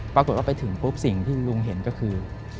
ปรากฏว่าไปถึงปุ๊บสิ่งที่ลุงเห็นก็คือ